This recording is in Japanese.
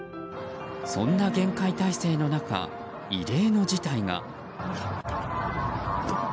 そんな厳戒態勢の中異例の事態が。